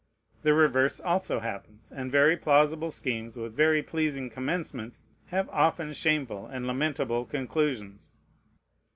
The reverse also happens; and very plausible schemes, with very pleasing commencements, have often shameful and lamentable conclusions.